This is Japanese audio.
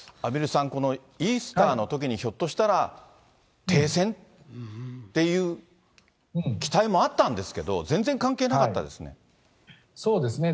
畔蒜さん、このイースターのときに、ひょっとしたら、停戦っていう期待もあったんですけど、全然関係なかったですね。